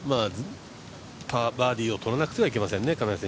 パー、バーディーを取らなくてはなりませんね。